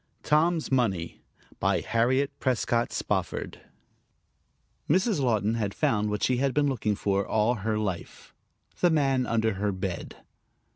TOM'S MONEY BY HARRIET PRESCOTT SPOFFORD Mrs. Laughton had found what she had been looking for all her life the man under her bed.